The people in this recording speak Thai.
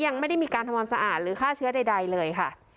ยังไม่ได้มีการทำความสะอาดหรือฆ่าเชื้อใดเลยค่ะ